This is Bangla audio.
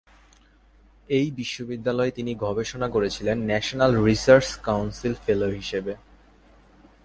এই বিশ্ববিদ্যালয়ে তিনি গবেষণা করেছিলেন ন্যাশনাল রিসার্চ কাউন্সিল ফেলো হিসেবে।